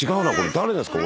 誰ですか？